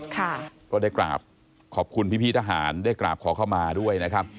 ก็ได้กราบขอบคุณพี่พี่ทหารได้กราบขอเข้ามาด้วยนะครับ